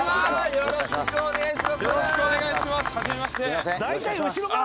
よろしくお願いします